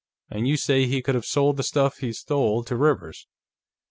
And you say he could've sold the stuff he stole to Rivers.